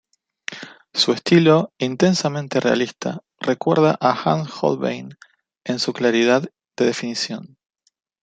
Su estilo intensamente realista recuerda a Hans Holbein en su claridad de definición.